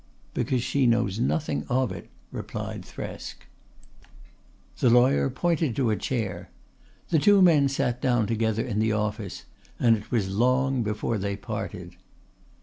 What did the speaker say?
"Because she knows nothing of it," replied Thresk. The lawyer pointed to a chair. The two men sat down together in the office and it was long before they parted.